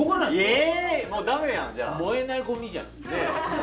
ええっもうダメやんじゃあ燃えないゴミじゃんねえ